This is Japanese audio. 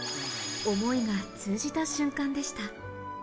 思いが通じた瞬間でした。